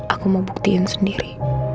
aku mau buktiin sendiri